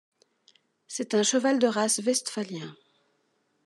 C'est un cheval de race westphalien.